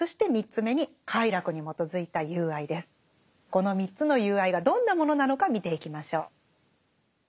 この３つの友愛がどんなものなのか見ていきましょう。